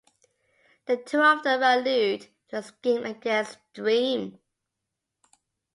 The two of them allude to a scheme against Dream.